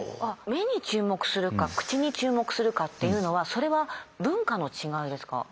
目に注目するか口に注目するかっていうのはそれは文化の違いですか？